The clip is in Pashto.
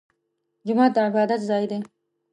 جومات د عبادت ځای دی